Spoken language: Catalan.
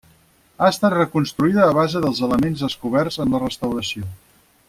Ha estat reconstruïda a base dels elements descoberts en la restauració.